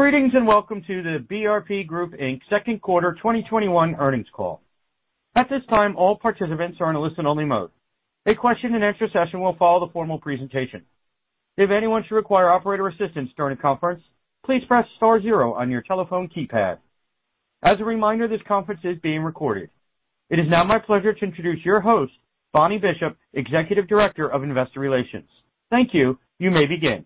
Greetings and welcome to the BRP Group, Inc. second quarter 2021 earnings call. At this time, all participants are in a listen-only mode. A question and answer session will follow the formal presentation. If anyone should require operator assistance during the conference, please press star zero on your telephone keypad. As a reminder, this conference is being recorded. It is now my pleasure to introduce your host, Bonnie Bishop, Executive Director of Investor Relations. Thank you. You may begin.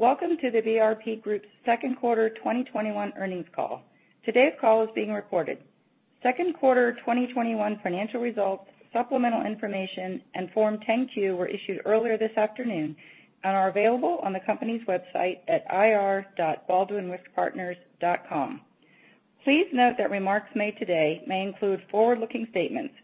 Welcome to the BRP Group's second quarter 2021 earnings call. Today's call is being recorded. Second quarter 2021 financial results, supplemental information, and Form 10-Q were issued earlier this afternoon and are available on the company's website at ir.baldwinriskpartners.com. Please note that remarks made today may include forward-looking statements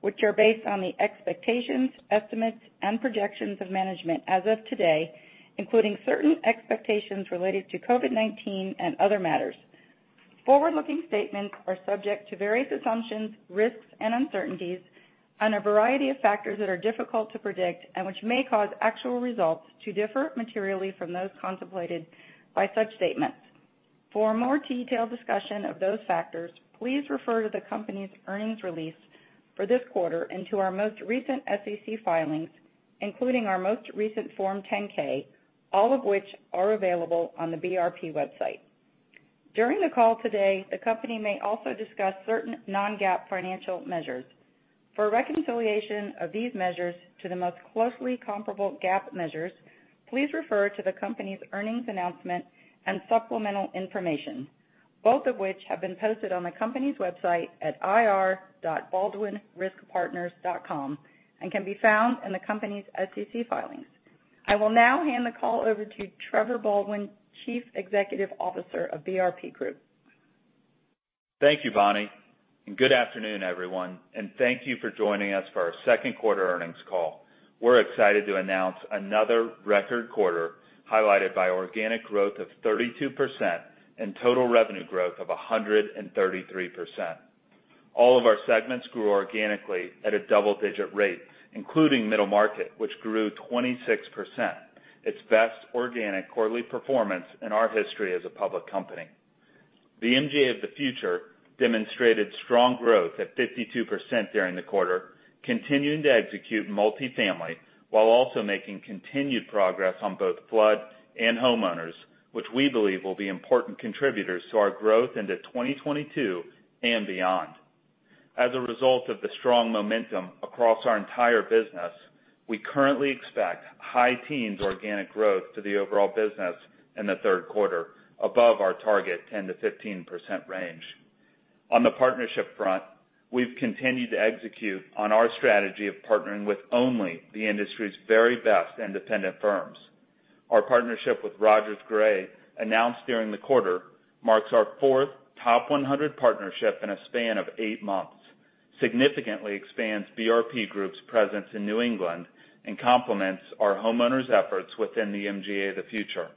which are based on the expectations, estimates, and projections of management as of today, including certain expectations related to COVID-19 and other matters. Forward-looking statements are subject to various assumptions, risks, and uncertainties, and a variety of factors that are difficult to predict and which may cause actual results to differ materially from those contemplated by such statements. For a more detailed discussion of those factors, please refer to the company's earnings release for this quarter and to our most recent SEC filings, including our most recent Form 10-K, all of which are available on the BRP website. During the call today, the company may also discuss certain non-GAAP financial measures. For a reconciliation of these measures to the most closely comparable GAAP measures, please refer to the company's earnings announcement and supplemental information, both of which have been posted on the company's website at ir.baldwinriskpartners.com, and can be found in the company's SEC filings. I will now hand the call over to Trevor Baldwin, Chief Executive Officer of BRP Group. Thank you, Bonnie, good afternoon, everyone, thank you for joining us for our second quarter earnings call. We're excited to announce another record quarter highlighted by organic growth of 32% and total revenue growth of 133%. All of our segments grew organically at a double-digit rate, including middle market, which grew 26%, its best organic quarterly performance in our history as a public company. The MGA of the Future demonstrated strong growth at 52% during the quarter, continuing to execute multifamily while also making continued progress on both flood and homeowners, which we believe will be important contributors to our growth into 2022 and beyond. As a result of the strong momentum across our entire business, we currently expect high teens organic growth to the overall business in the third quarter, above our target 10%-15% range. On the partnership front, we've continued to execute on our strategy of partnering with only the industry's very best independent firms. Our partnership with RogersGray, announced during the quarter, marks our fourth top 100 partnership in a span of eight months, significantly expands BRP Group's presence in New England, and complements our homeowners' efforts within the MGA of the Future.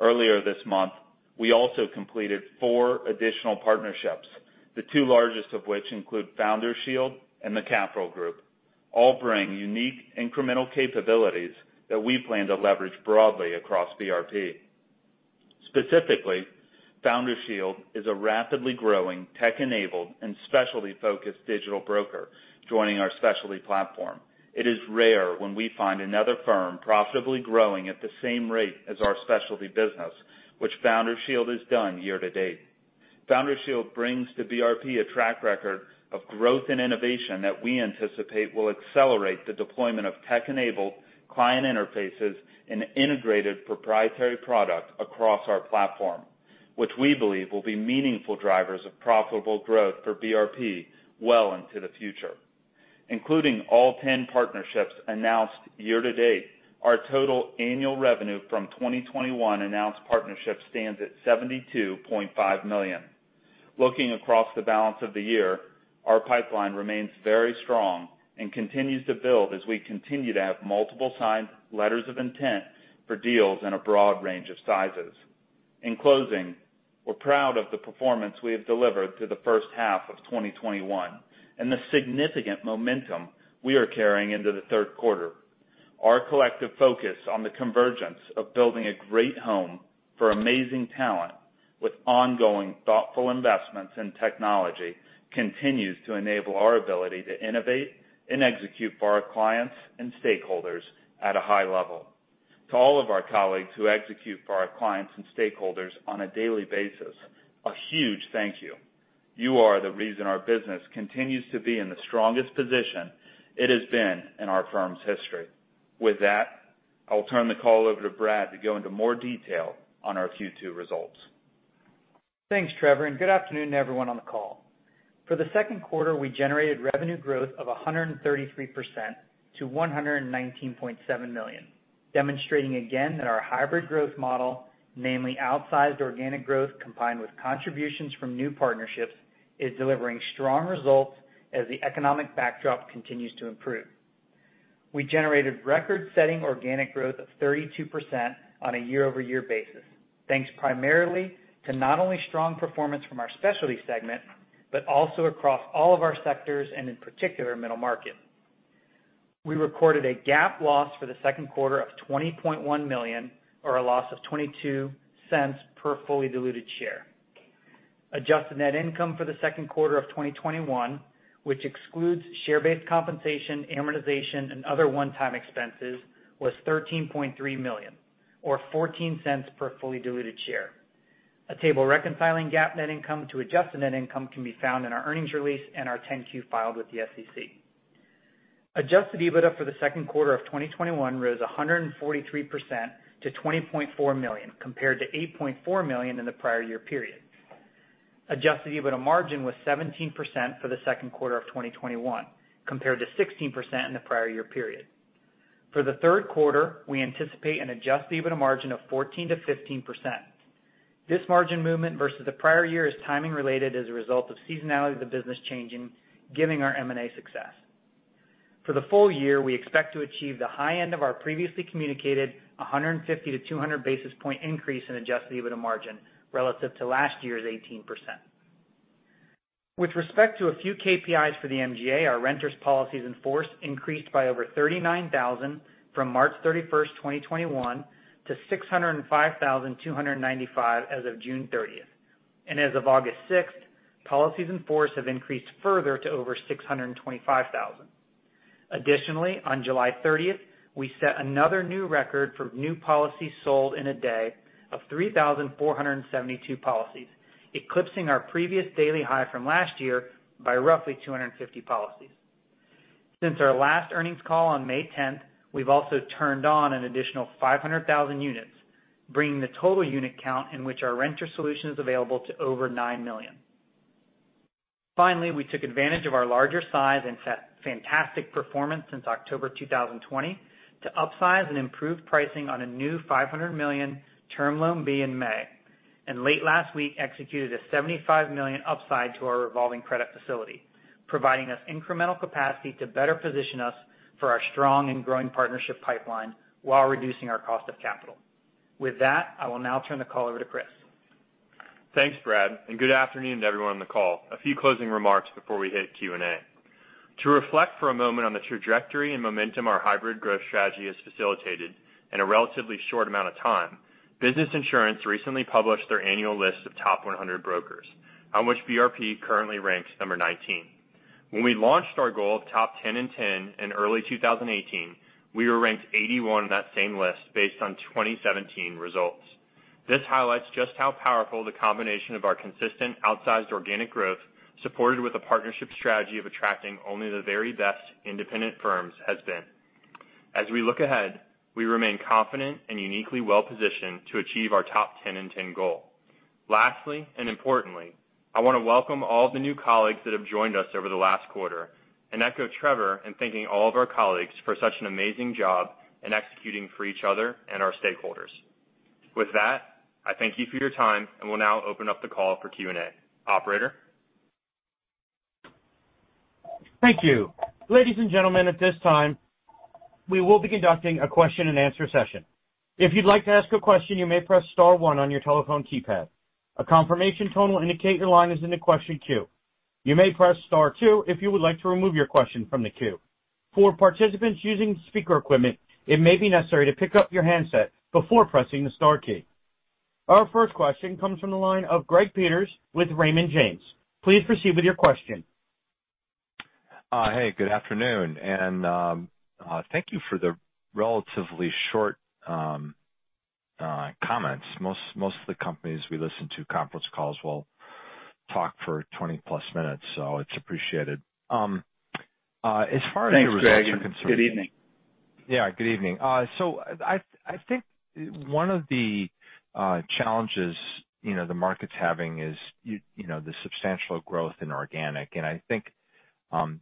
Earlier this month, we also completed four additional partnerships, the two largest of which include Founder Shield and The Capital Group. All bring unique incremental capabilities that we plan to leverage broadly across BRP. Specifically, Founder Shield is a rapidly growing tech-enabled and specialty-focused digital broker joining our specialty platform. It is rare when we find another firm profitably growing at the same rate as our specialty business, which Founder Shield has done year to date. Founder Shield brings to BRP a track record of growth and innovation that we anticipate will accelerate the deployment of tech-enabled client interfaces and integrated proprietary product across our platform, which we believe will be meaningful drivers of profitable growth for BRP well into the future. Including all 10 partnerships announced year to date, our total annual revenue from 2021 announced partnerships stands at $72.5 million. Looking across the balance of the year, our pipeline remains very strong and continues to build as we continue to have multiple signed letters of intent for deals in a broad range of sizes. In closing, we're proud of the performance we have delivered through the first half of 2021 and the significant momentum we are carrying into the third quarter. Our collective focus on the convergence of building a great home for amazing talent with ongoing thoughtful investments in technology continues to enable our ability to innovate and execute for our clients and stakeholders at a high level. To all of our colleagues who execute for our clients and stakeholders on a daily basis, a huge thank you. You are the reason our business continues to be in the strongest position it has been in our firm's history. With that, I will turn the call over to Brad to go into more detail on our Q2 results. Thanks, Trevor, good afternoon to everyone on the call. For the second quarter, we generated revenue growth of 133% to $119.7 million, demonstrating again that our hybrid growth model, namely outsized organic growth combined with contributions from new partnerships, is delivering strong results as the economic backdrop continues to improve. We generated record-setting organic growth of 32% on a year-over-year basis, thanks primarily to not only strong performance from our specialty segment, but also across all of our sectors and in particular, middle market. We recorded a GAAP loss for the second quarter of $20.1 million, or a loss of $0.22 per fully diluted share. Adjusted net income for the second quarter of 2021, which excludes share-based compensation, amortization, and other one-time expenses, was $13.3 million, or $0.14 per fully diluted share. A table reconciling GAAP net income to adjusted net income can be found in our earnings release and our 10-Q filed with the SEC. Adjusted EBITDA for the second quarter of 2021 rose 143% to $20.4 million, compared to $8.4 million in the prior year period. Adjusted EBITDA margin was 17% for the second quarter of 2021, compared to 16% in the prior year period. For the third quarter, we anticipate an adjusted EBITDA margin of 14%-15%. This margin movement versus the prior year is timing related as a result of seasonality of the business changing, given our M&A success. For the full year, we expect to achieve the high end of our previously communicated 150-200 basis point increase in adjusted EBITDA margin, relative to last year's 18%. With respect to a few KPIs for the MGA, our renters policies in force increased by over 39,000 from March 31st, 2021, to 605,295 as of June 30th. As of August 6th, policies in force have increased further to over 625,000. Additionally, on July 30th, we set another new record for new policies sold in a day of 3,472 policies, eclipsing our previous daily high from last year by roughly 250 policies. Since our last earnings call on May 10th, we've also turned on an additional 500,000 units, bringing the total unit count in which our renter solution is available to over 9 million. Finally, we took advantage of our larger size and fantastic performance since October 2020 to upsize and improve pricing on a new $500 million term loan B in May. Late last week executed a $75 million upside to our revolving credit facility, providing us incremental capacity to better position us for our strong and growing partnership pipeline while reducing our cost of capital. With that, I will now turn the call over to Kris. Thanks, Brad, and good afternoon to everyone on the call. A few closing remarks before we hit Q&A. To reflect for a moment on the trajectory and momentum our hybrid growth strategy has facilitated in a relatively short amount of time. Business Insurance recently published their annual list of top 100 brokers, on which BRP currently ranks number 19. When we launched our goal of top 10 in 10 in early 2018, we were ranked 81 on that same list based on 2017 results. This highlights just how powerful the combination of our consistent outsized organic growth, supported with a partnership strategy of attracting only the very best independent firms, has been. As we look ahead, we remain confident and uniquely well-positioned to achieve our top 10 in 10 goal. Lastly, importantly, I want to welcome all of the new colleagues that have joined us over the last quarter and echo Trevor in thanking all of our colleagues for such an amazing job in executing for each other and our stakeholders. With that, I thank you for your time and will now open up the call for Q&A. Operator? Thank you. Ladies and gentlemen, at this time, we will be conducting a question and answer session. If you'd like to ask a question, you may press star one on your telephone keypad. A confirmation tone will indicate your line is in the question queue. You may press star two if you would like to remove your question from the queue. For participants using speaker equipment, it may be necessary to pick up your handset before pressing the star key. Our first question comes from the line of Greg Peters with Raymond James. Please proceed with your question. Hey, good afternoon, thank you for the relatively short comments. Most of the companies we listen to conference calls will talk for 20 plus minutes, so it's appreciated. As far as the results are concerned- Thanks, Greg, good evening. Yeah, good evening. I think one of the challenges the market's having is the substantial growth in organic. I think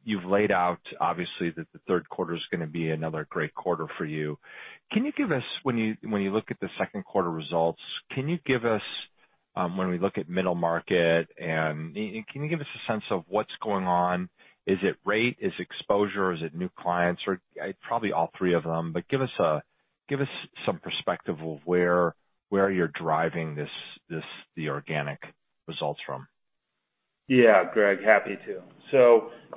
you've laid out, obviously, that the third quarter's going to be another great quarter for you. When you look at the second quarter results, can you give us, when we look at middle market, can you give us a sense of what's going on? Is it rate? Is it exposure? Is it new clients? Probably all three of them, but give us some perspective of where you're driving the organic results from. Yeah, Greg, happy to.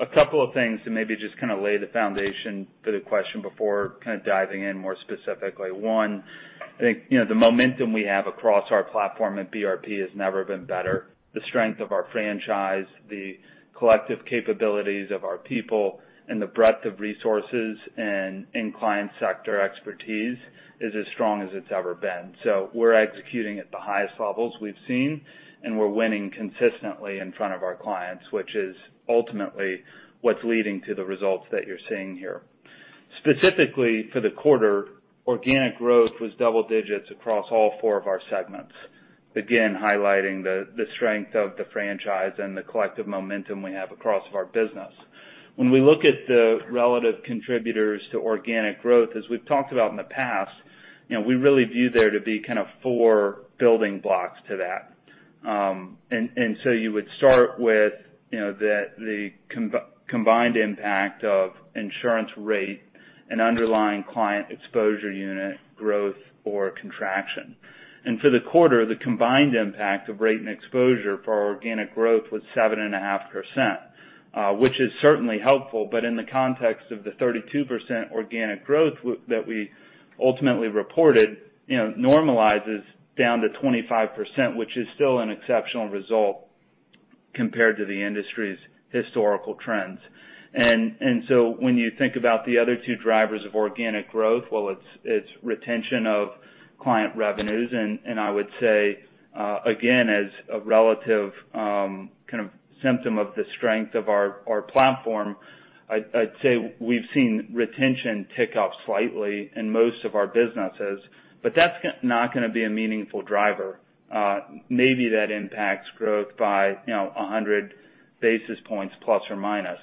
A couple of things to maybe just lay the foundation for the question before diving in more specifically. One, I think the momentum we have across our platform at BRP has never been better. The strength of our franchise, the collective capabilities of our people, the breadth of resources and in-client sector expertise is as strong as it's ever been. We're executing at the highest levels we've seen, we're winning consistently in front of our clients, which is ultimately what's leading to the results that you're seeing here. Specifically for the quarter, organic growth was double digits across all four of our segments. Again, highlighting the strength of the franchise and the collective momentum we have across our business. When we look at the relative contributors to organic growth, as we've talked about in the past, we really view there to be four building blocks to that. You would start with the combined impact of insurance rate and underlying client exposure unit growth or contraction. For the quarter, the combined impact of rate and exposure for our organic growth was 7.5%, which is certainly helpful, but in the context of the 32% organic growth that we ultimately reported, normalizes down to 25%, which is still an exceptional result compared to the industry's historical trends. When you think about the other two drivers of organic growth, well, it's retention of client revenues. I would say, again, as a relative kind of symptom of the strength of our platform, I'd say we've seen retention tick up slightly in most of our businesses. That's not going to be a meaningful driver. Maybe that impacts growth by 100 basis points, plus or minus.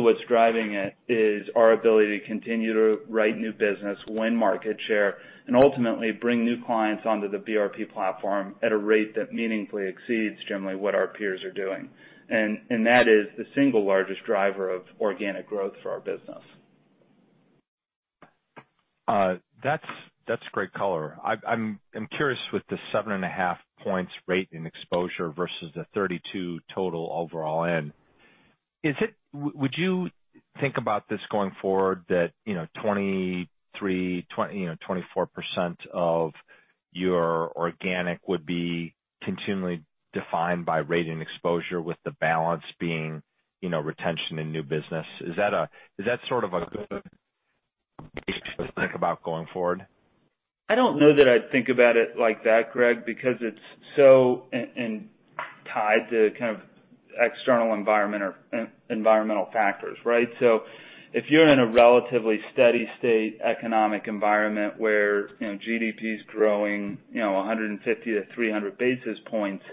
What's driving it is our ability to continue to write new business, win market share, and ultimately bring new clients onto the BRP platform at a rate that meaningfully exceeds generally what our peers are doing. That is the single largest driver of organic growth for our business. That's great color. I'm curious with the 7.5 points rate in exposure versus the 32 total overall. Would you think about this going forward that 23%-24% of your organic would be continually defined by rating exposure with the balance being retention in new business? Is that sort of a good way to think about going forward? I don't know that I'd think about it like that, Greg, because it's so tied to kind of external environmental factors, right? If you're in a relatively steady state economic environment where GDP is growing 150-300 basis points,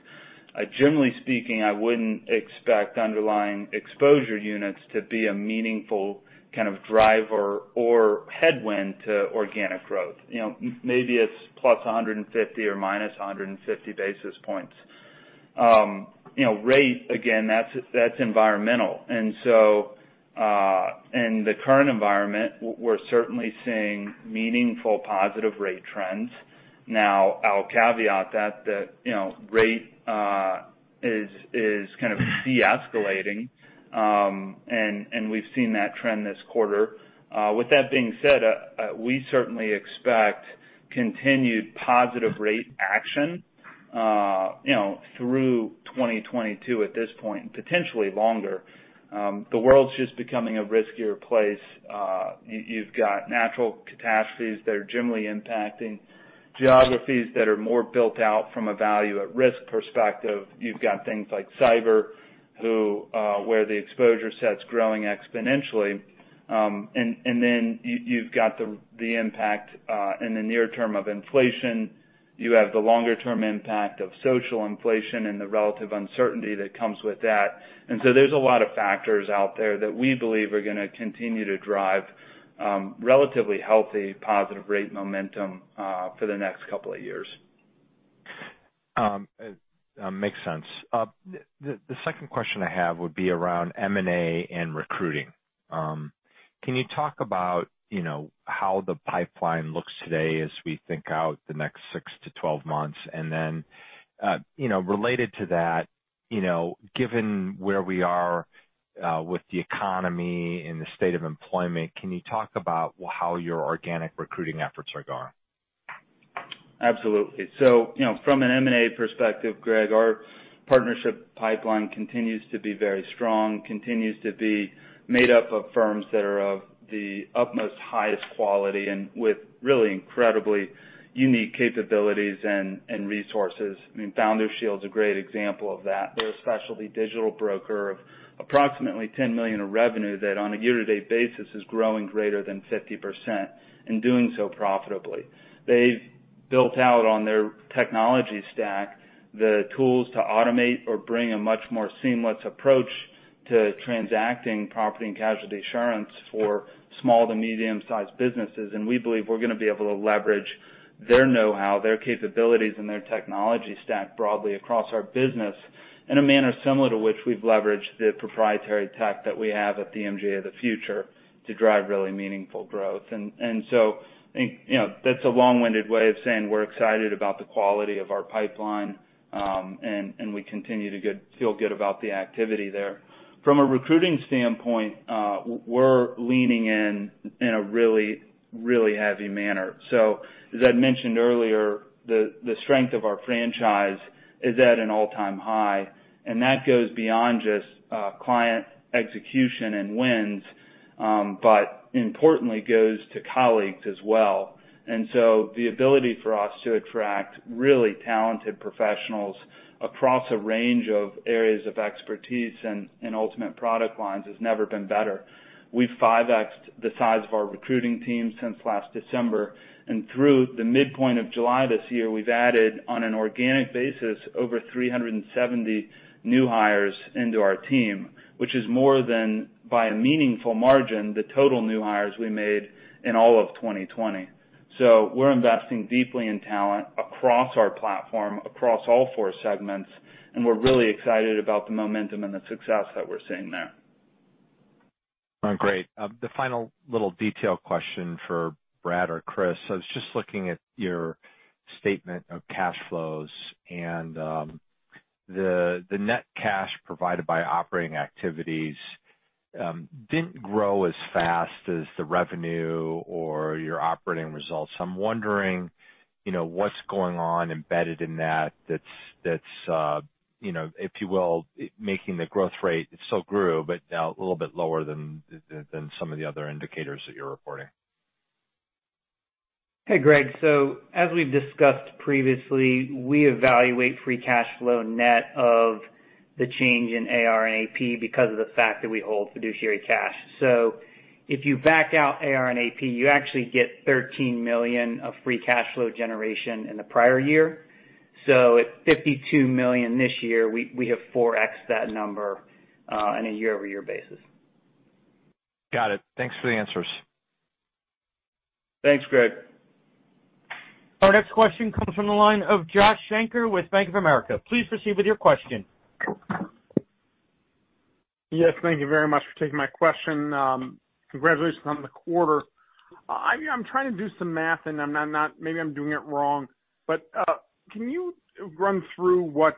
generally speaking, I wouldn't expect underlying exposure units to be a meaningful kind of driver or headwind to organic growth. Maybe it's +150 or -150 basis points. Rate, again, that's environmental. In the current environment, we're certainly seeing meaningful positive rate trends. Now, I'll caveat that rate is kind of deescalating, and we've seen that trend this quarter. With that being said, we certainly expect continued positive rate action through 2022 at this point, and potentially longer. The world's just becoming a riskier place. You've got natural catastrophes that are generally impacting geographies that are more built out from a value at risk perspective. You've got things like cyber, where the exposure set's growing exponentially. You've got the impact in the near term of inflation. You have the longer-term impact of social inflation and the relative uncertainty that comes with that. There's a lot of factors out there that we believe are going to continue to drive relatively healthy, positive rate momentum for the next couple of years. Makes sense. The second question I have would be around M&A and recruiting. Can you talk about how the pipeline looks today as we think out the next six to 12 months? Related to that, given where we are with the economy and the state of employment, can you talk about how your organic recruiting efforts are going? Absolutely. From an M&A perspective, Greg, our partnership pipeline continues to be very strong, continues to be made up of firms that are of the utmost highest quality and with really incredibly unique capabilities and resources. Founder Shield's a great example of that. They're a specialty digital broker of approximately $10 million of revenue that on a year-to-date basis is growing greater than 50%, and doing so profitably. They've built out on their technology stack the tools to automate or bring a much more seamless approach to transacting property and casualty insurance for small to medium sized businesses. We believe we're going to be able to leverage their knowhow, their capabilities, and their technology stack broadly across our business in a manner similar to which we've leveraged the proprietary tech that we have at the MGA of the Future to drive really meaningful growth. That's a long-winded way of saying we're excited about the quality of our pipeline, and we continue to feel good about the activity there. From a recruiting standpoint, we're leaning in in a really heavy manner. As I mentioned earlier, the strength of our franchise is at an all-time high, and that goes beyond just client execution and wins, but importantly goes to colleagues as well. The ability for us to attract really talented professionals across a range of areas of expertise and ultimate product lines has never been better. We've 5X'd the size of our recruiting team since last December, and through the midpoint of July this year, we've added, on an organic basis, over 370 new hires into our team, which is more than, by a meaningful margin, the total new hires we made in all of 2020. We're investing deeply in talent across our platform, across all four segments, and we're really excited about the momentum and the success that we're seeing there. Great. The final little detail question for Brad or Kris. I was just looking at your statement of cash flows, and the net cash provided by operating activities didn't grow as fast as the revenue or your operating results. I'm wondering what's going on embedded in that, if you will, making the growth rate, it still grew, but now a little bit lower than some of the other indicators that you're reporting. Hey, Greg. As we've discussed previously, we evaluate free cash flow net of the change in A/R and A/P because of the fact that we hold fiduciary cash. If you back out A/R and A/P, you actually get $13 million of free cash flow generation in the prior year. At $52 million this year, we have 4X'd that number on a year-over-year basis. Got it. Thanks for the answers. Thanks, Greg. Our next question comes from the line of Joshua Shanker with Bank of America. Please proceed with your question. Yes, thank you very much for taking my question. Congratulations on the quarter. I'm trying to do some math, and maybe I'm doing it wrong, but can you run through what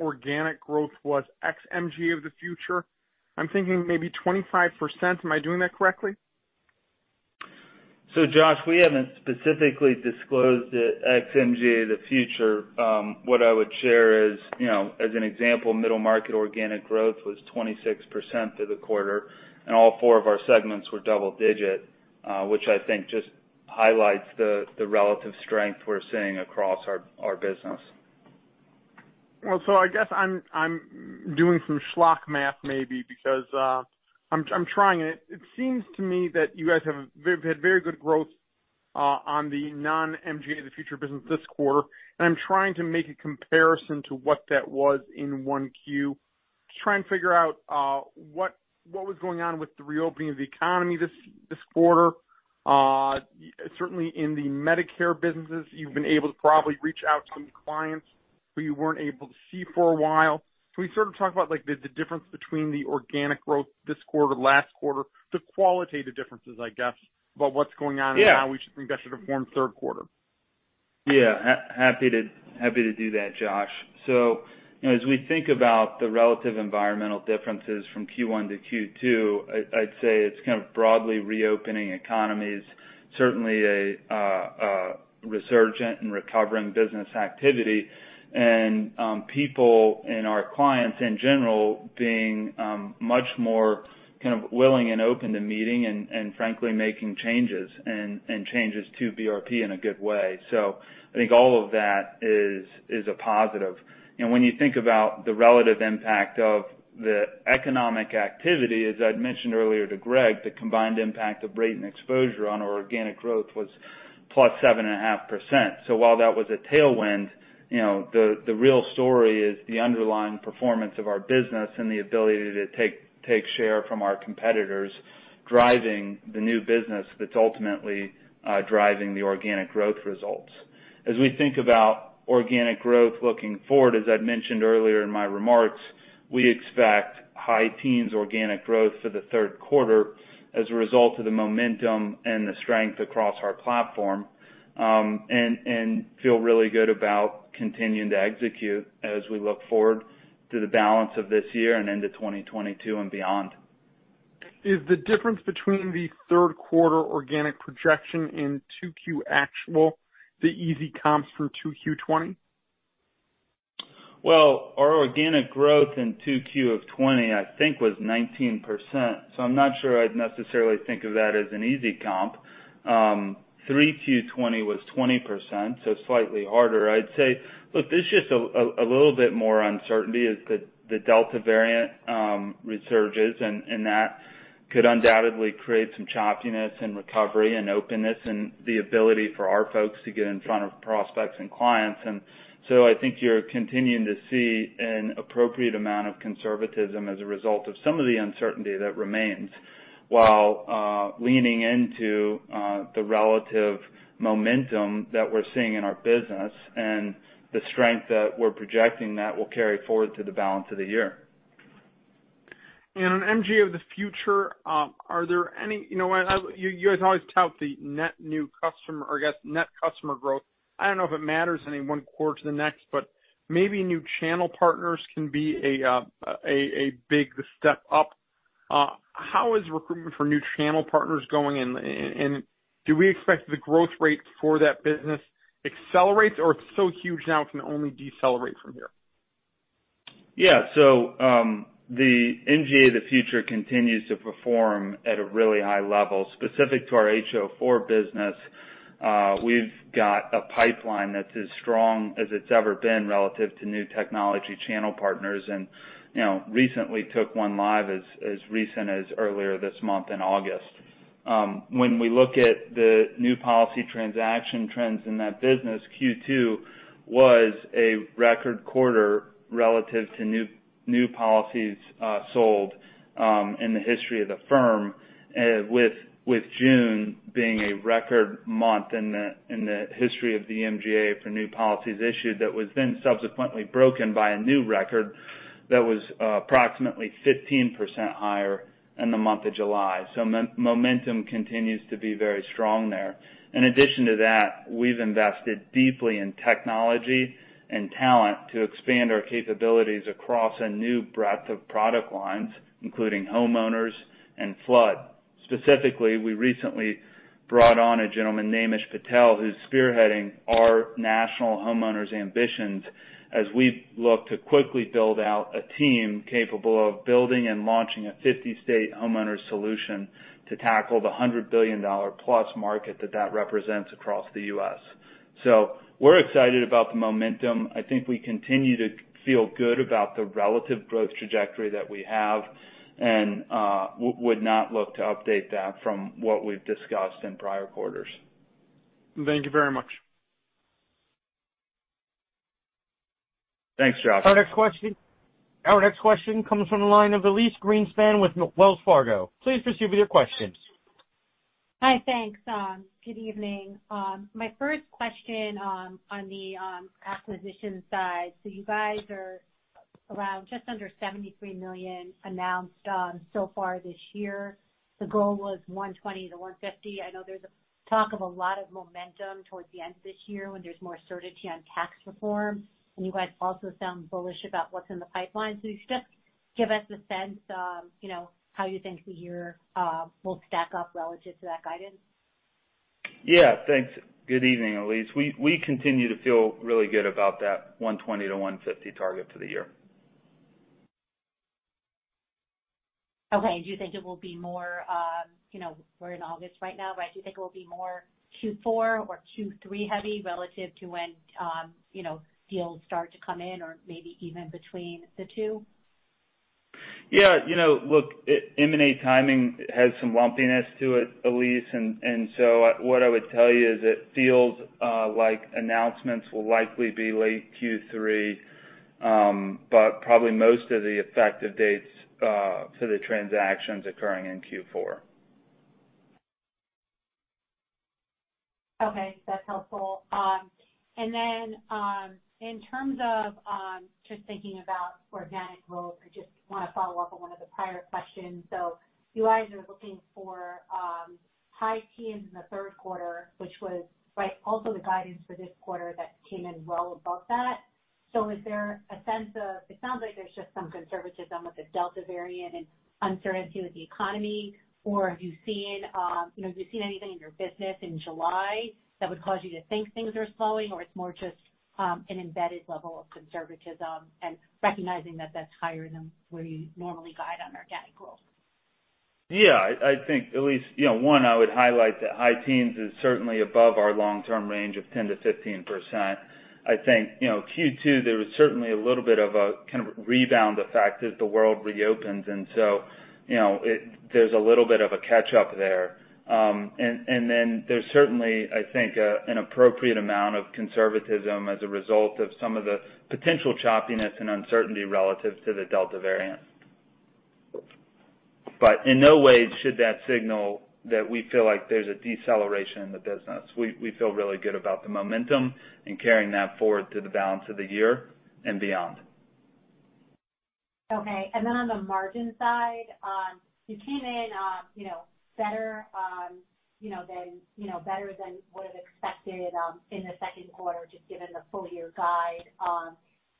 organic growth was ex MGA of the Future? I'm thinking maybe 25%. Am I doing that correctly? Josh, we haven't specifically disclosed it, ex MGA of the Future. What I would share is, as an example, middle market organic growth was 26% for the quarter, and all four of our segments were double digit, which I think just highlights the relative strength we're seeing across our business. I guess I'm doing some schlock math maybe because I'm trying it. It seems to me that you guys have had very good growth on the non MGA of the Future business this quarter, and I'm trying to make a comparison to what that was in 1Q. Try and figure out what was going on with the reopening of the economy this quarter. Certainly in the Medicare businesses, you've been able to probably reach out to clients who you weren't able to see for a while. Can we sort of talk about the difference between the organic growth this quarter, last quarter, the qualitative differences, I guess, about what's going on? Yeah How we should think that should inform third quarter. Yeah. Happy to do that, Josh. As we think about the relative environmental differences from Q1 to Q2, I'd say it's kind of broadly reopening economies, certainly a resurgent and recovering business activity, and people and our clients in general being much more willing and open to meeting and frankly, making changes, and changes to BRP in a good way. I think all of that is a positive. When you think about the relative impact of the economic activity, as I'd mentioned earlier to Greg, the combined impact of rate and exposure on our organic growth was plus 7.5%. While that was a tailwind, the real story is the underlying performance of our business and the ability to take share from our competitors, driving the new business that's ultimately driving the organic growth results. As we think about organic growth looking forward, as I'd mentioned earlier in my remarks, we expect high teens organic growth for the third quarter as a result of the momentum and the strength across our platform, and feel really good about continuing to execute as we look forward to the balance of this year and into 2022 and beyond. Is the difference between the third quarter organic projection in 2Q actual, the easy comps from 2Q '20? Well, our organic growth in 2Q of 2020, I think, was 19%, so I'm not sure I'd necessarily think of that as an easy comp. 3Q 2020 was 20%, so slightly harder. I'd say, look, there's just a little bit more uncertainty as the Delta variant resurges, and that could undoubtedly create some choppiness in recovery and openness in the ability for our folks to get in front of prospects and clients. I think you're continuing to see an appropriate amount of conservatism as a result of some of the uncertainty that remains, while leaning into the relative momentum that we're seeing in our business and the strength that we're projecting that will carry forward to the balance of the year. On MGA of the Future, you guys always tout the net new customer or I guess net customer growth. I don't know if it matters any one quarter to the next, but maybe new channel partners can be a big step up. How is recruitment for new channel partners going, and do we expect the growth rate for that business accelerates, or it's so huge now it can only decelerate from here? Yeah. The MGA of the Future continues to perform at a really high level specific to our HO4 business. We've got a pipeline that's as strong as it's ever been relative to new technology channel partners, and recently took one live as recent as earlier this month in August. When we look at the new policy transaction trends in that business, Q2 was a record quarter relative to new policies sold in the history of the firm, with June being a record month in the history of the MGA for new policies issued that was then subsequently broken by a new record that was approximately 15% higher in the month of July. Momentum continues to be very strong there. In addition to that, we've invested deeply in technology and talent to expand our capabilities across a new breadth of product lines, including homeowners and flood. Specifically, we recently brought on a gentleman, Naimish Patel, who's spearheading our national homeowners ambitions as we look to quickly build out a team capable of building and launching a 50-state homeowner solution to tackle the $100 billion plus market that that represents across the U.S. We're excited about the momentum. I think we continue to feel good about the relative growth trajectory that we have, and would not look to update that from what we've discussed in prior quarters. Thank you very much. Thanks, Josh. Our next question comes from the line of Elyse Greenspan with Wells Fargo. Please proceed with your question. Hi. Thanks. Good evening. My first question on the acquisition side, you guys are around just under $73 million announced so far this year. The goal was $120 million-$150 million. I know there's talk of a lot of momentum towards the end of this year when there's more certainty on tax reform, and you guys also sound bullish about what's in the pipeline. If you could just give us a sense how you think the year will stack up relative to that guidance. Yeah. Thanks. Good evening, Elyse. We continue to feel really good about that 120 to 150 target for the year. Do you think it will be more, we're in August right now, but do you think it will be more Q4 or Q3 heavy relative to when deals start to come in or maybe even between the two? Yeah. Look, M&A timing has some lumpiness to it, Elyse. What I would tell you is it feels like announcements will likely be late Q3, probably most of the effective dates to the transactions occurring in Q4. Okay. That's helpful. In terms of just thinking about organic growth, I just want to follow up on one of the prior questions. You guys are looking for high teens in the third quarter, which was also the guidance for this quarter that came in well above that. Is there a sense of it sounds like there's just some conservatism with the Delta variant and uncertainty with the economy, or have you seen anything in your business in July that would cause you to think things are slowing, or it's more just an embedded level of conservatism and recognizing that that's higher than where you normally guide on organic growth? Yeah. I think, Elyse, one, I would highlight that high teens is certainly above our long-term range of 10%-15%. I think, Q2, there was certainly a little bit of a kind of rebound effect as the world reopens. So, there's a little bit of a catch-up there. Then there's certainly, I think, an appropriate amount of conservatism as a result of some of the potential choppiness and uncertainty relative to the Delta variant. In no way should that signal that we feel like there's a deceleration in the business. We feel really good about the momentum and carrying that forward to the balance of the year and beyond. Okay. Then on the margin side, you came in better than would've expected in the second quarter, just given the full-year guide.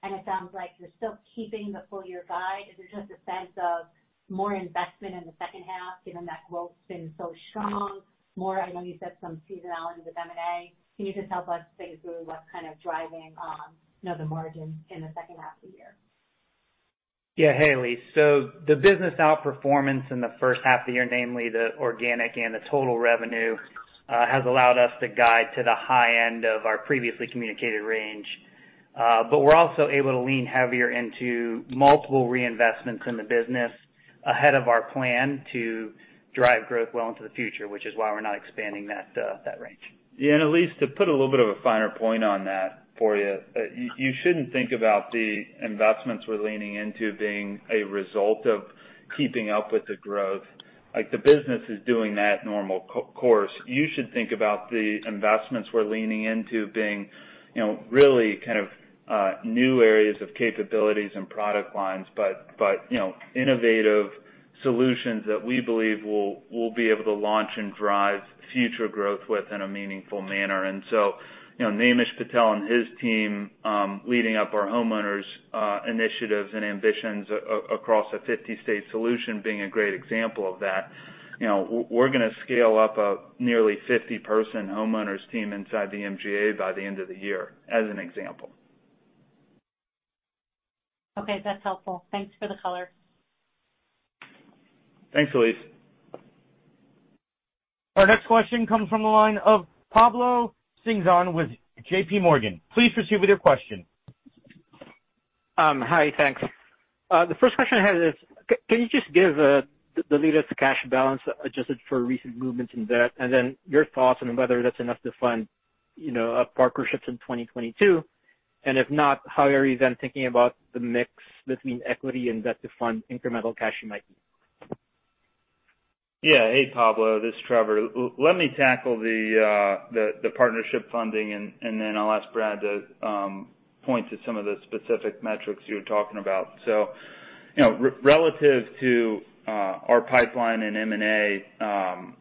It sounds like you're still keeping the full-year guide. Is there just a sense of more investment in the second half given that growth's been so strong, more, I know you said some seasonality with M&A. Can you just help us think through what's kind of driving the margin in the second half of the year? Yeah. Hey, Elyse. The business outperformance in the first half of the year, namely the organic and the total revenue, has allowed us to guide to the high end of our previously communicated range. We're also able to lean heavier into multiple reinvestments in the business ahead of our plan to drive growth well into the future, which is why we're not expanding that range. Yeah. Elyse, to put a little bit of a finer point on that for you shouldn't think about the investments we're leaning into being a result of keeping up with the growth. Like the business is doing that normal course. You should think about the investments we're leaning into being really kind of new areas of capabilities and product lines, but innovative solutions that we believe we'll be able to launch and drive future growth with in a meaningful manner. So, Naimish Patel and his team leading up our homeowners initiatives and ambitions across a 50-state solution being a great example of that. We're going to scale up a nearly 50-person homeowners team inside MGA by the end of the year, as an example. Okay. That's helpful. Thanks for the color. Thanks, Elyse. Our next question comes from the line of Pablo Singzon with J.P. Morgan. Please proceed with your question. Hi. Thanks. The first question I had is, can you just give the latest cash balance adjusted for recent movements in debt, then your thoughts on whether that's enough to fund partnerships in 2022? If not, how are you then thinking about the mix between equity and debt to fund incremental cash you might need? Hey, Pablo, this is Trevor. Let me tackle the partnership funding, then I'll ask Brad to point to some of the specific metrics you were talking about. Relative to our pipeline and M&A,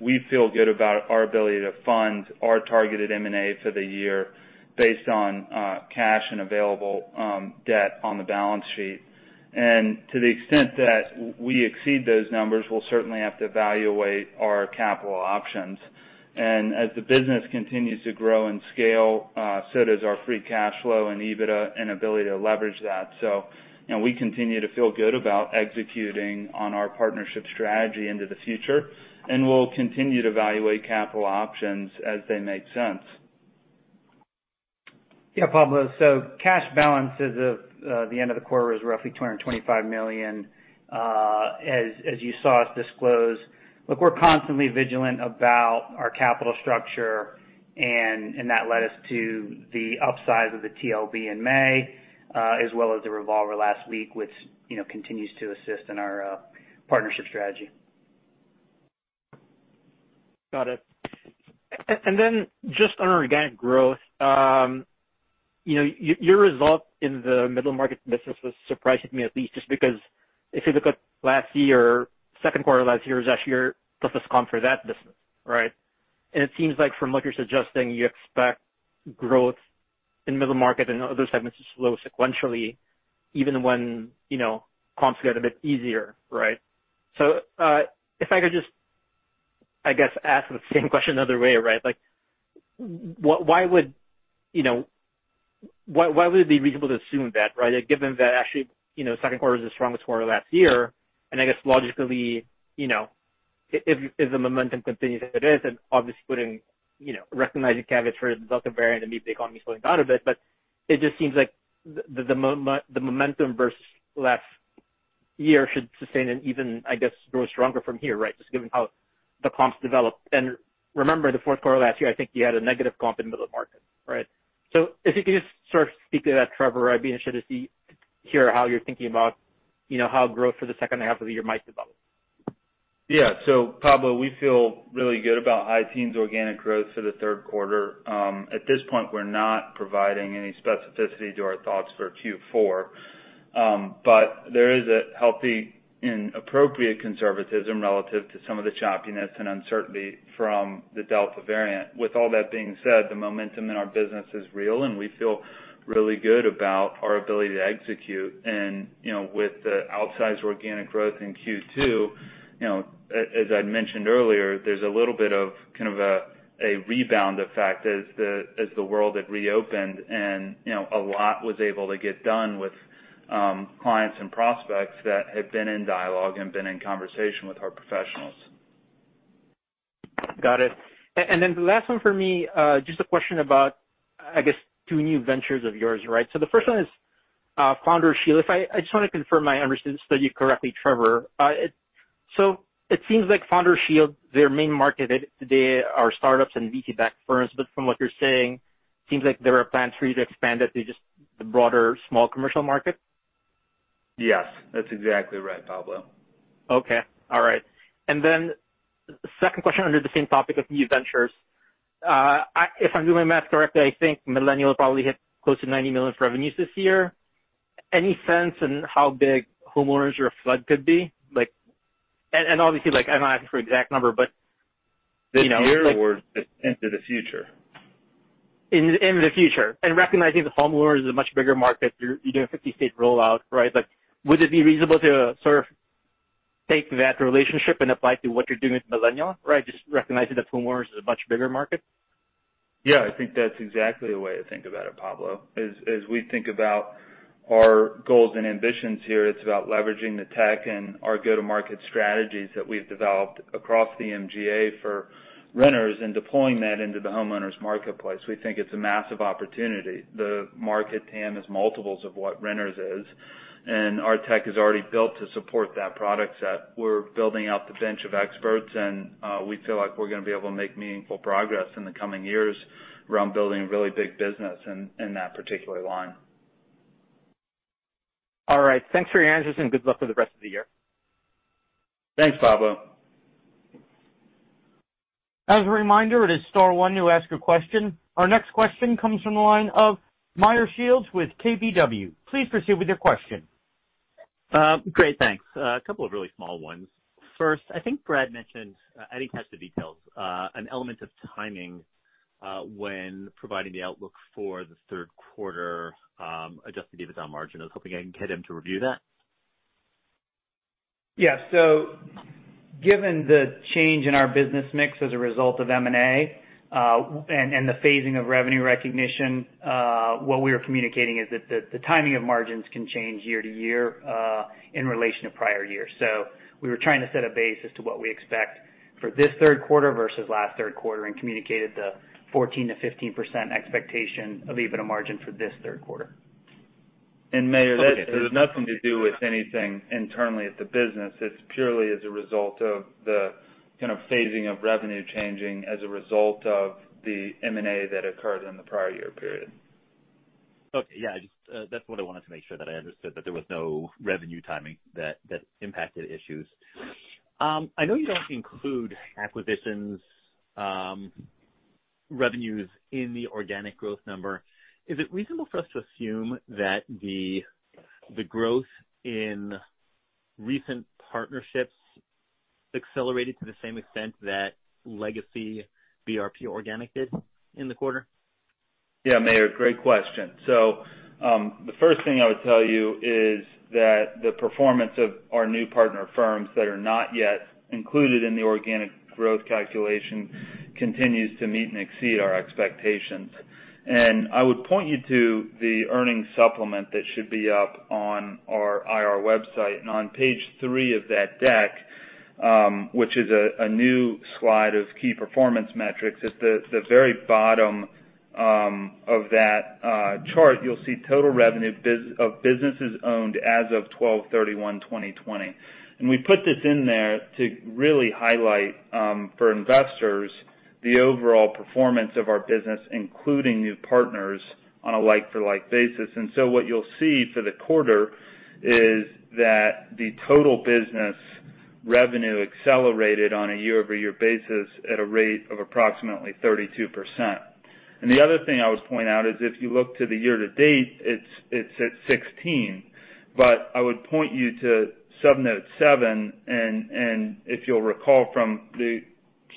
we feel good about our ability to fund our targeted M&A for the year based on cash and available debt on the balance sheet. To the extent that we exceed those numbers, we'll certainly have to evaluate our capital options. As the business continues to grow and scale, so does our free cash flow and EBITDA and ability to leverage that. We continue to feel good about executing on our partnership strategy into the future, and we'll continue to evaluate capital options as they make sense. Pablo. Cash balance as of the end of the quarter was roughly $225 million, as you saw us disclose. Look, we're constantly vigilant about our capital structure, that led us to the upsize of the TLB in May, as well as the revolver last week, which continues to assist in our partnership strategy. Got it. Then just on organic growth. Your result in the middle market business has surprised me at least just because if you look at last year, second quarter last year is actually your toughest comp for that business, right? It seems like from what you're suggesting, you expect growth in middle market and other segments to slow sequentially even when comps get a bit easier, right? If I could just, I guess, ask the same question another way, right? Why would it be reasonable to assume that, right? Given that actually second quarter is the strongest quarter last year, I guess logically, if the momentum continues as it is, obviously recognizing caveats for the Delta variant and maybe the economy slowing down a bit, it just seems like the momentum versus last year should sustain an even, I guess, grow stronger from here, right? Just given how the comps developed. Remember the fourth quarter last year, I think you had a negative comp in middle market, right? If you could just sort of speak to that, Trevor, I'd be interested to hear how you're thinking about how growth for the second half of the year might develop. Yeah. Pablo, we feel really good about high teens organic growth for the third quarter. At this point, we're not providing any specificity to our thoughts for Q4. There is a healthy and appropriate conservatism relative to some of the choppiness and uncertainty from the Delta variant. With all that being said, the momentum in our business is real, and we feel really good about our ability to execute. With the outsized organic growth in Q2, as I'd mentioned earlier, there's a little bit of kind of a rebound effect as the world had reopened and a lot was able to get done with clients and prospects that had been in dialogue and been in conversation with our professionals. Got it. The last one for me, just a question about, I guess two new ventures of yours, right? The first one is Founder Shield. I just want to confirm I understood you correctly, Trevor. It seems like Founder Shield, their main market, they are startups and VC-backed firms. From what you're saying, seems like there are plans for you to expand it to just the broader small commercial market? Yes, that's exactly right, Pablo. Okay. All right. Second question under the same topic of new ventures. If I'm doing my math correctly, I think Millennial will probably hit close to $90 million revenues this year. Any sense in how big Homeowners or Flood could be? Obviously, I'm not asking for exact number. This year or into the future? In the future. Recognizing that Homeowners is a much bigger market, you're doing a 50-state rollout, right? Would it be reasonable to sort of take that relationship and apply it to what you're doing with Millennial, right? Just recognizing that Homeowners is a much bigger market. Yeah, I think that's exactly the way to think about it, Pablo. As we think about our goals and ambitions here, it's about leveraging the tech and our go-to-market strategies that we've developed across the MGA for renters and deploying that into the homeowners marketplace. We think it's a massive opportunity. The market TAM is multiples of what renters is, and our tech is already built to support that product set. We're building out the bench of experts, and we feel like we're going to be able to make meaningful progress in the coming years around building a really big business in that particular line. All right. Thanks for your answers and good luck for the rest of the year. Thanks, Pablo. As a reminder, it is star one to ask a question. Our next question comes from the line of Meyer Shields with KBW. Please proceed with your question. Great. Thanks. A couple of really small ones. First, I think Brad mentioned, I think he touched the details, an element of timing when providing the outlook for the third quarter adjusted EBITDA margin. I was hoping I can get him to review that. Yeah. Given the change in our business mix as a result of M&A, and the phasing of revenue recognition, what we are communicating is that the timing of margins can change year-to-year in relation to prior years. We were trying to set a base as to what we expect for this third quarter versus last third quarter and communicated the 14%-15% expectation of EBITDA margin for this third quarter. Meyer, that has nothing to do with anything internally at the business. It's purely as a result of the kind of phasing of revenue changing as a result of the M&A that occurred in the prior year period. Okay. Yeah, that's what I wanted to make sure that I understood, that there was no revenue timing that impacted issues. I know you don't include acquisitions revenues in the organic growth number. Is it reasonable for us to assume that the growth in recent partnerships accelerated to the same extent that legacy BRP organic did in the quarter? Yeah, Meyer, great question. The first thing I would tell you is that the performance of our new partner firms that are not yet included in the organic growth calculation continues to meet and exceed our expectations. I would point you to the earnings supplement that should be up on our IR website, and on page three of that deck, which is a new slide of key performance metrics. At the very bottom of that chart, you'll see total revenue of businesses owned as of 12/31/2020. We put this in there to really highlight, for investors, the overall performance of our business, including new partners on a like-for-like basis. What you'll see for the quarter is that the total business revenue accelerated on a year-over-year basis at a rate of approximately 32%. The other thing I would point out is, if you look to the year to date, it's at 16. I would point you to sub-note seven, and if you'll recall from the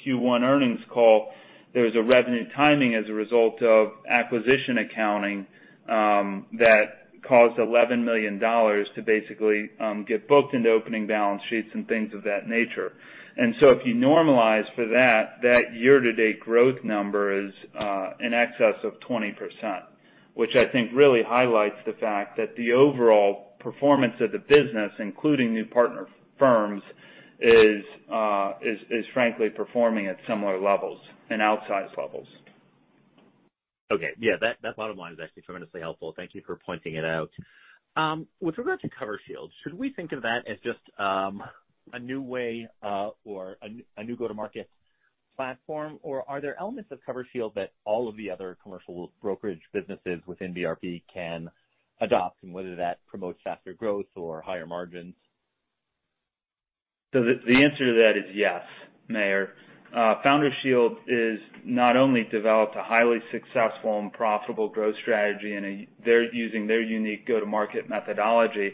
Q1 earnings call, there was a revenue timing as a result of acquisition accounting, that caused $11 million to basically get booked into opening balance sheets and things of that nature. If you normalize for that year-to-date growth number is in excess of 20%, which I think really highlights the fact that the overall performance of the business, including new partner firms, is frankly performing at similar levels and outsized levels. Okay. Yeah, that bottom line is actually tremendously helpful. Thank you for pointing it out. With regard to Founder Shield, should we think of that as just a new way, or a new go-to-market platform, or are there elements of Founder Shield that all of the other commercial brokerage businesses within BRP can adopt, and whether that promotes faster growth or higher margins? The answer to that is yes, Meyer. Founder Shield is not only developed a highly successful and profitable growth strategy, they're using their unique go-to-market methodology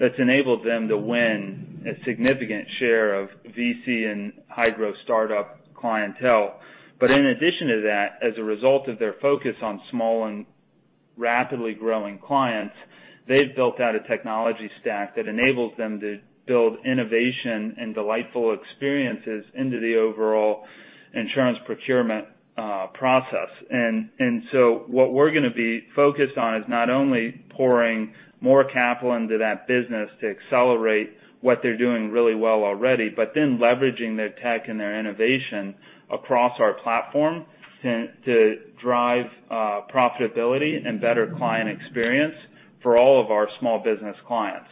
that's enabled them to win a significant share of VC and high-growth startup clientele. In addition to that, as a result of their focus on small and rapidly growing clients, they've built out a technology stack that enables them to build innovation and delightful experiences into the overall insurance procurement process. What we're going to be focused on is not only pouring more capital into that business to accelerate what they're doing really well already, but then leveraging their tech and their innovation across our platform to drive profitability and better client experience for all of our small business clients.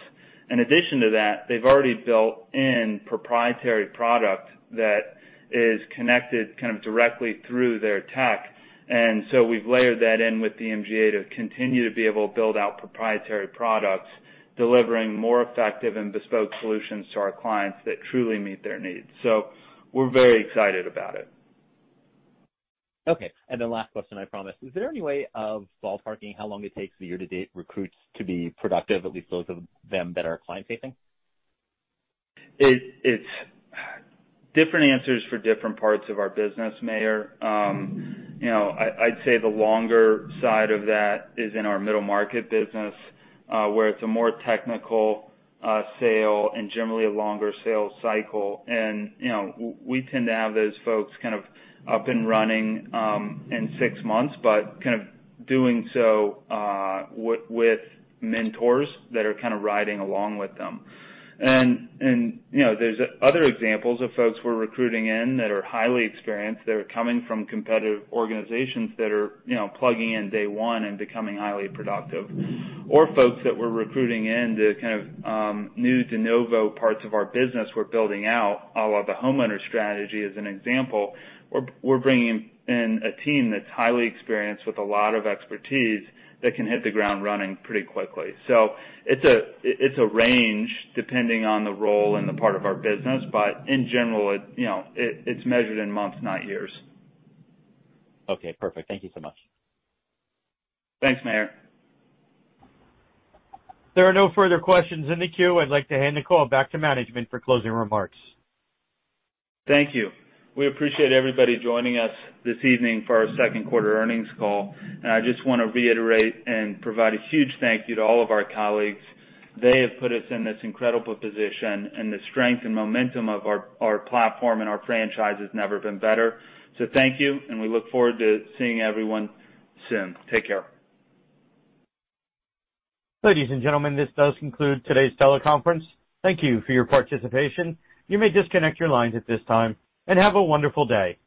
In addition to that, they've already built in proprietary product that is connected kind of directly through their tech. We've layered that in with the MGA to continue to be able to build out proprietary products, delivering more effective and bespoke solutions to our clients that truly meet their needs. We're very excited about it. Okay. The last question, I promise. Is there any way of ballparking how long it takes the year-to-date recruits to be productive, at least those of them that are client-facing? It's different answers for different parts of our business, Meyer. I'd say the longer side of that is in our middle market business, where it's a more technical sale and generally a longer sales cycle. We tend to have those folks kind of up and running in six months, but kind of doing so with mentors that are kind of riding along with them. There's other examples of folks we're recruiting in that are highly experienced, that are coming from competitive organizations that are plugging in day one and becoming highly productive. Folks that we're recruiting in to kind of new de novo parts of our business we're building out. Our homeowner strategy as an example, we're bringing in a team that's highly experienced with a lot of expertise that can hit the ground running pretty quickly. It's a range depending on the role and the part of our business. In general, it's measured in months, not years. Okay, perfect. Thank you so much. Thanks, Meyer. There are no further questions in the queue. I'd like to hand the call back to management for closing remarks. Thank you. We appreciate everybody joining us this evening for our second quarter earnings call. I just want to reiterate and provide a huge thank you to all of our colleagues. They have put us in this incredible position. The strength and momentum of our platform and our franchise has never been better. Thank you. We look forward to seeing everyone soon. Take care. Ladies and gentlemen, this does conclude today's teleconference. Thank you for your participation. You may disconnect your lines at this time. Have a wonderful day.